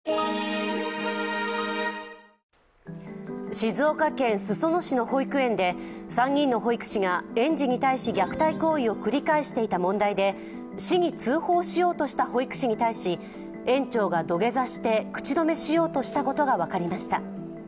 静岡県裾野市の保育園で３人の保育士が園児に対し虐待行為を繰り返していた問題で市に通報しようとした保育士に対し、園長が土下座して口止めしようとしたことが分かりました。